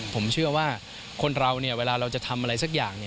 ผมเชื่อว่าคนเราเวลาเราจะทำอะไรสักอย่าง